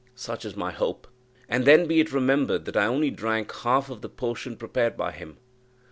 Such is my hope. And then be it remembered, that I only drank half of the potion prepared by him.